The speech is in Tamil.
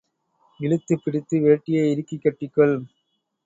இழுத்துப்பிடித்து வேட்டியை இறுக்கக் கட்டிக் கொள்.